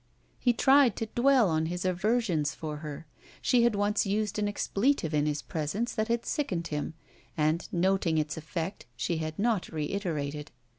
He tried to dwell on his aversions for her. She had once used an expletive in his presence that had sickened him, and, noting its effect, she had not reiterated.